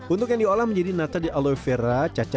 untuk yang diolah menjadi nata di aloe vera cacahnya dan berbentuk